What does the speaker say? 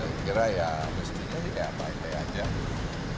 saya kira ya mestinya juga ya pak